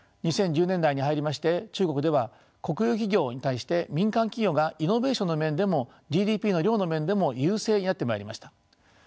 ２０１０年代に入りまして中国では国有企業に対して民間企業がイノベーションの面でもＧＤＰの量の面でも優勢になってまいりました。